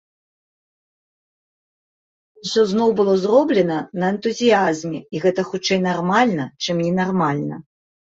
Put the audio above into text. Усё зноў было зроблена на энтузіязме, і гэта хутчэй нармальна, чым ненармальна.